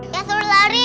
ya suruh lari